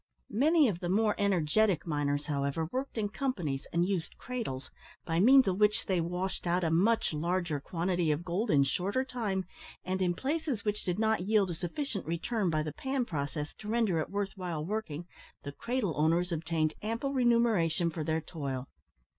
Many of the more energetic miners, however, worked in companies and used cradles, by means of which they washed out a much larger quantity of gold in shorter time; and in places which did not yield a sufficient return by the pan process to render it worth while working, the cradle owners obtained ample remuneration for their toil.